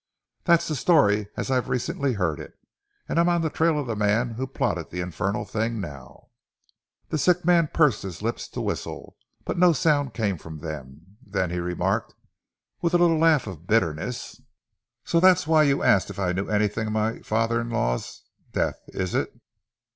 That's the story as I've recently heard it; and I'm on the trail of the man who plotted the infernal thing, now." The sick man pursed his lips to whistle, but no sound came from them. Then he remarked, with a little laugh of bitterness, "So that's why you asked if I knew anything of my father in law's death, is it?"